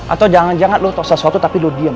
atau jangan jangan lo tahu sesuatu tapi lo diam